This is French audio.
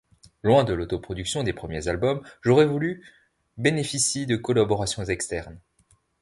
Loin de l'autoproduction des premiers albums, J'aurais voulu… bénéficie de collaborations externes.